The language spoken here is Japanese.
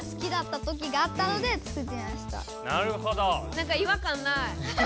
なんか違和感ない。